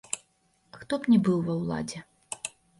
Хто б ні быў ва ўладзе.